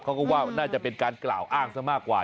เขาก็ว่าน่าจะเป็นการกล่าวอ้างซะมากกว่า